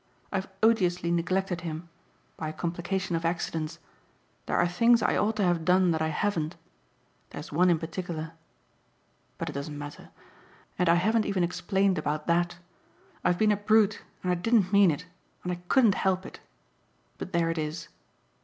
I've odiously neglected him by a complication of accidents. There are things I ought to have done that I haven't. There's one in particular but it doesn't matter. And I haven't even explained about THAT. I've been a brute and I didn't mean it and I couldn't help it. But there it is.